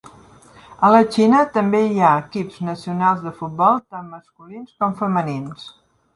A la Xina també hi ha equips nacionals de futbol tant masculins com femenins.